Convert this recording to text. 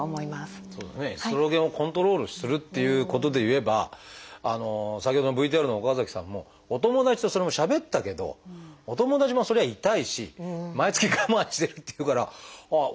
エストロゲンをコントロールするっていうことで言えば先ほどのＶＴＲの岡崎さんもお友達とそれもしゃべったけどお友達もそりゃ痛いし毎月我慢してるっていうからああ